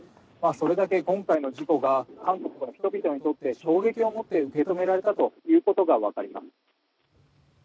それだけ今回の事故が韓国の人々にとって衝撃を持って受け止められたということがわかります。